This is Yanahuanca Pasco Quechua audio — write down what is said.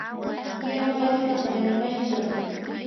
yana pachkam kanimashqa.